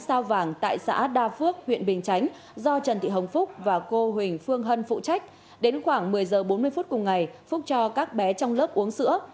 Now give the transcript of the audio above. sao vàng tại xã đa phước huyện bình chánh do trần thị hồng phúc và cô huỳnh phương hân phụ trách đến khoảng một mươi giờ bốn mươi phút cùng ngày phúc cho các bé trong lớp uống sữa